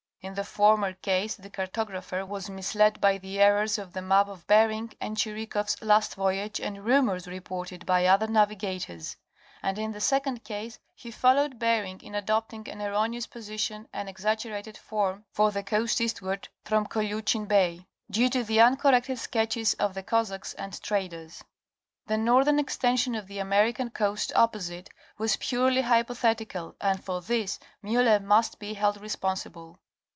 In the former case the cartographer was misled by the errors of the map of Bering and Chirikoff's last voyage and rumors reported by other navigators; and in the second case he followed Bering in adopting an erroneous position and exaggerated form for the coast eastward from Koliuchin Bay, due to the uncorrected sketches of the Cossacks and traders. The northern extension of the American coast opposite, was purely hypothetical and for this Miller must be held responsible.